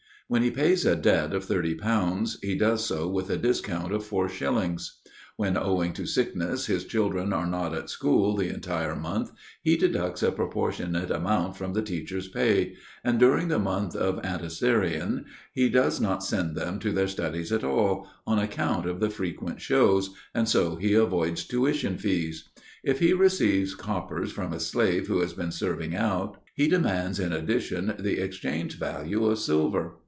When he pays a debt of thirty pounds, he does so with a discount of four shillings. When, owing to sickness, his children are not at school the entire month, he deducts a proportionate amount from the teacher's pay; and during the month of Anthesterion he does not send them to their studies at all, on account of the frequent shows, and so he avoids tuition fees. If he receives coppers from a slave who has been serving out, he demands in addition the exchange value of silver.